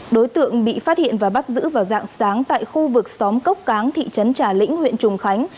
đối tượng bị phát hiện và bắt giữ vào dạng sáng tại khu vực xóm cốc cáng thị trấn trà lĩnh huyện trùng khánh